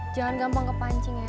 jangan gampang kepancing ya